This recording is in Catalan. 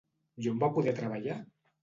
I on va poder treballar?